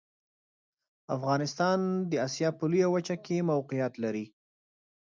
افغانستان د اسیا په لویه وچه کې موقعیت لري.